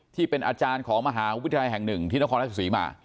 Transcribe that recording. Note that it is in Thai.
ที่เป็นอาจารย์ของมหาวิทยาลัยแห่งหนึ่งที่นครราชศรีมา